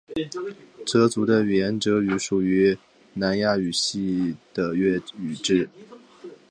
哲族的语言哲语属于南亚语系的越语支。